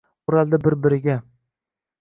O‘raldi bir-biriga.